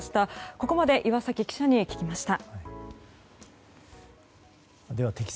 ここまで岩崎記者に聞きました。